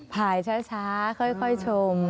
ภายช้าค่อยชม